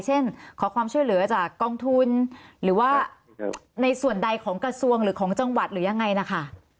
เช่นขอความช่วยเหลือจากกองทุนหรือว่าในส่วนใดของกระทรวงหรือของจังหวัดหรือยังไงนะคะ